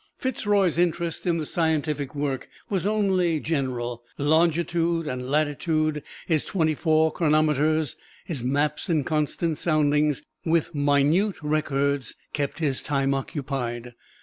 Fitz Roy's interest in the scientific work was only general: longitude and latitude, his twenty four chronometers, his maps and constant soundings, with minute records, kept his time occupied.